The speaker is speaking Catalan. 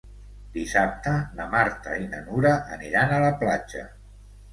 Dissabte na Marta i na Nura aniran a la platja.